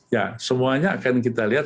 ya semuanya akan kita lihat